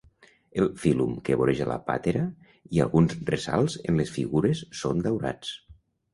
El fílum que voreja la pàtera i alguns ressalts en les figures són daurats.